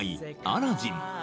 「アラジン」